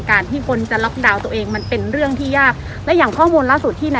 การที่คนจะล็อกดาวน์ตัวเองมันเป็นเรื่องที่ยากและอย่างข้อมูลล่าสุดที่นะ